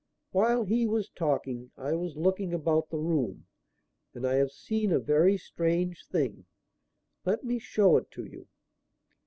While he was talking I was looking about the room, and I have seen a very strange thing. Let me show it to you."